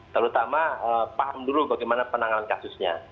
terutama paham dulu bagaimana penanganan kasusnya